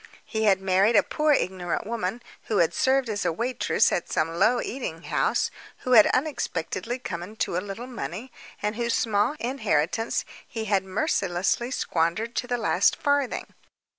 He had married a poor ignorant woman, who had served as a waitress at some low eating house, who had unexpectedly come into a little money, and whose small inheritance he had mercilessly squandered to the last farthing.